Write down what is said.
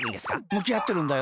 むきあってるんだよ。